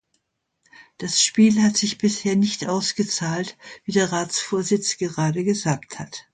Das Spiel hat sich bisher nicht ausgezahlt, wie der Ratsvorsitz gerade gesagt hat.